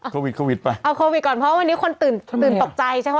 โควิดโควิดไปเอาโควิดก่อนเพราะวันนี้คนตื่นตื่นตกใจใช่ไหม